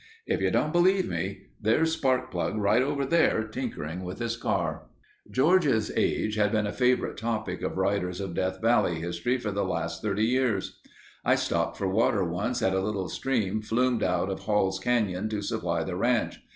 If you don't believe me, there's Sparkplug right over there tinkering with his car." George's age has been a favorite topic of writers of Death Valley history for the last 30 years. I stopped for water once at the little stream flumed out of Hall's Canyon to supply the ranch.